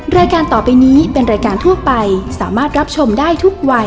รายการต่อไปนี้เป็นรายการทั่วไปสามารถรับชมได้ทุกวัย